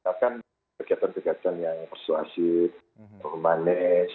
kita akan melakukan kegiatan kegiatan yang persuasif permanis